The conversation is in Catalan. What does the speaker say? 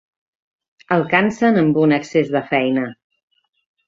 El cansen amb un excés de feina.